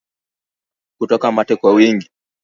Kutoka mate kwa wingi